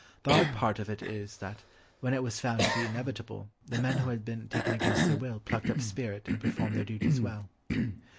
The odd part of it is that, when it was found to be inevitable, the men who had been taken against their will plucked up spirit and performed their duties well.